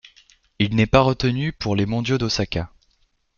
Il n'est pas retenu pour les mondiaux d'Osaka.